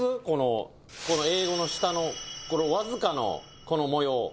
このこの英語の下のわずかの模様」